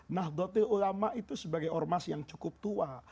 nahdlatul ulama itu sebagai ormas yang cukup tua